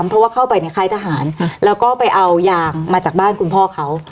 เพราะว่าเข้าไปในค่ายทหารแล้วก็ไปเอายางมาจากบ้านคุณพ่อเขา